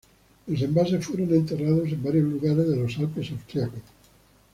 Los envases fueron enterrados en varios lugares de los Alpes austriacos.